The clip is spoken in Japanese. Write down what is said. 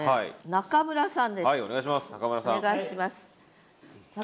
中村さん